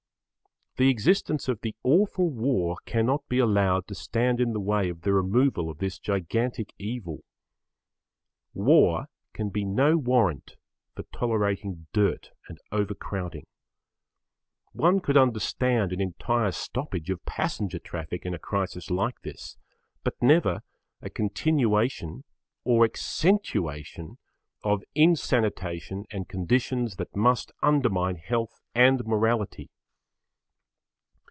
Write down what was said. The existence of the awful war cannot be allowed to stand in the way of the removal of this gigantic evil. War can be no warrant for tolerating dirt and overcrowding. One could understand an entire stoppage of passenger traffic in a crisis like this, but never a continuation or accentuation of insanitation and conditions that must undermine health and morality.